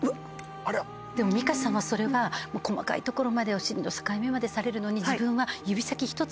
でも美香さまそれは細かいところまでお尻の境目までされるのに自分は。